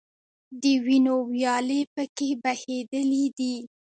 د وینو ویالې په کې بهیدلي دي.